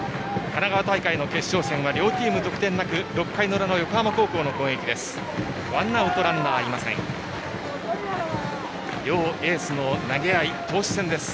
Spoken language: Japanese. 神奈川大会の決勝戦は両チーム得点なく６回の裏の横浜高校の攻撃です。